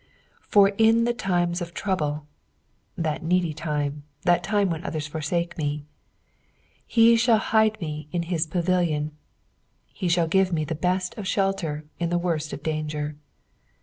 '^ For in the timt oftrmMe," that needy time, that time when others forsake me, " he ihall hide me in hie jiavilitm :" he shall give me the best of shelter in the worst of danger.